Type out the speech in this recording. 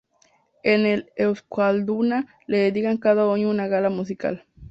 En el Euskalduna le dedican cada año una gala musical.